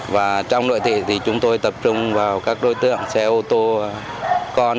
và trong nội thị thì chúng tôi tập trung vào các đối tượng xe ô tô con